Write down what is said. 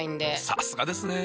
さすがですね。